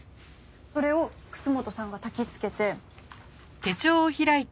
それを楠本さんがたきつけて。